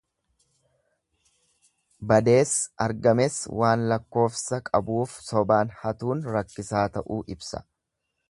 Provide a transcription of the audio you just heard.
Badees argames waan lakkoofsa qabuuf sobaan hatuun rakkisaa ta'uu ibsa.